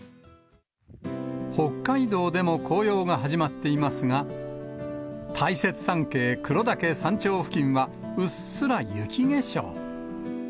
北海道でも紅葉が始まっていますが、大雪山系黒岳山頂付近は、うっすら雪化粧。